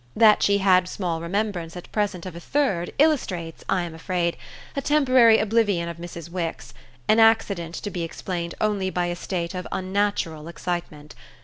That she had small remembrance at present of a third illustrates, I am afraid, a temporary oblivion of Mrs. Wix, an accident to be explained only by a state of unnatural excitement.